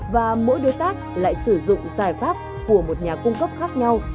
và mỗi đối tác lại sử dụng giải pháp của một nhà cung cấp khác nhau